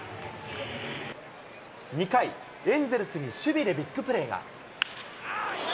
２回、エンゼルスに守備でビッグプレーが。